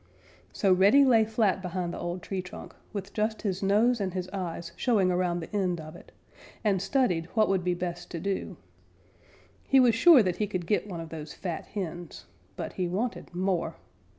So Reddy lay flat behind the old tree trunk, with just his nose and his eyes showing around the end of it, and studied what would be best to do. He was sure that he could get one of those fat hens, but he wanted more.